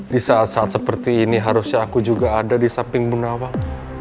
di saat saat seperti ini harusnya aku juga ada di samping munawak